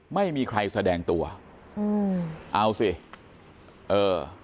ไม่มีใครแสดงตัวอืมเอาสิเออ